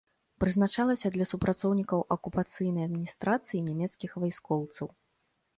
Прызначалася для супрацоўнікаў акупацыйнай адміністрацыі і нямецкіх вайскоўцаў.